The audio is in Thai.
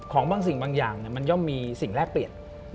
ของบางสิ่งบางอย่างมันย่อมมีสิ่งแลกเปลี่ยน